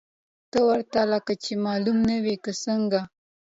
ته ورته لکه چې معلوم نه وې، که څنګه؟